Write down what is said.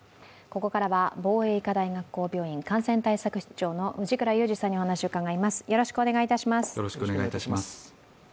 ここからは防衛医科大学校病院・感染対策室長の藤倉雄二さんにお話を伺います。